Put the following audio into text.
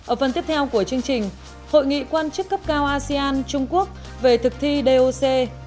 ở phần tiếp theo của chương trình hội nghị quan chức cấp cao asean trung quốc về thực thi doc